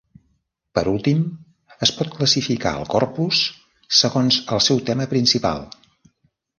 Per últim, es pot classificar el corpus segons el seu tema principal.